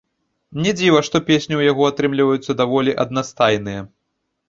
Не дзіва, што песні ў яго атрымліваюцца даволі аднастайныя.